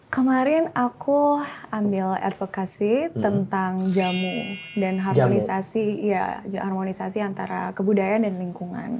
kemarin aku ambil advokasi tentang jamu dan harmonisasi antara kebudayaan dan lingkungan